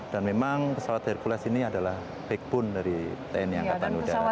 dan memang pesawat hercules ini adalah backbone dari tni angkatan udara dan negara